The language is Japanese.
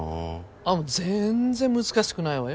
あっもう全然難しくないわよ。